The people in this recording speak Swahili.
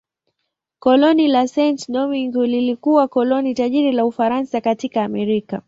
Koloni la Saint-Domingue lilikuwa koloni tajiri la Ufaransa katika Amerika.